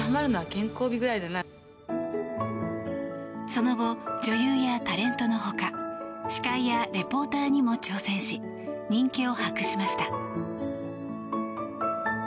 その後、女優やタレントの他司会やリポーターにも挑戦し人気を博しました。